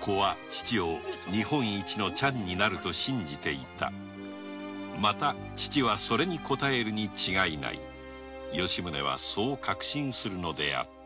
子は父を日本一のチャンになると信じていたまた父はそれにこたえるに違いない吉宗はそう確信するのであった